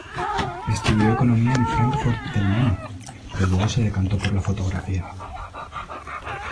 Estudió Economía en Fráncfort del Meno, pero luego se decantó por la fotografía.